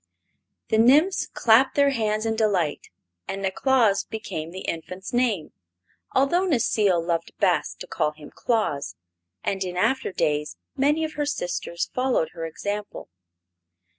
'" The nymphs clapped their hands in delight, and Neclaus became the infant's name, although Necile loved best to call him Claus, and in afterdays many of her sisters followed her example.